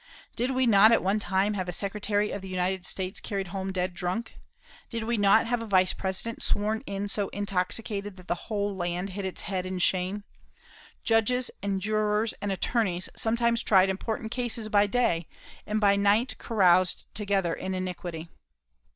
Did we not at one time have a Secretary of the United States carried home dead drunk? Did we not have a Vice President sworn in so intoxicated the whole land hid its head in shame? Judges and jurors and attorneys sometimes tried important cases by day, and by night caroused together in iniquity.